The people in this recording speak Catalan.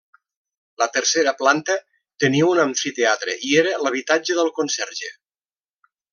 La tercera planta tenia un amfiteatre i era l'habitatge del conserge.